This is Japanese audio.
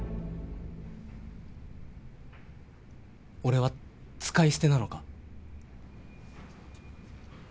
俺は使い捨てなのか？